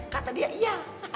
kata dia iya